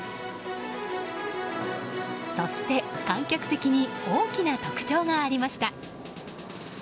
そして、観客席に大きな特徴がありました。